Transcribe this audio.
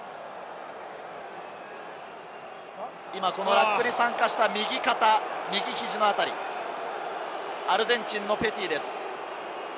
ラックに参加した右肩、右肘のあたり、アルゼンチンのペティです。